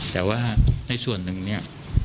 แต่ว่าในส่วนหนึ่งเนี่ย